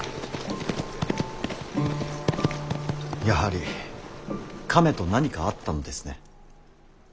やはり亀と何かあったのですね。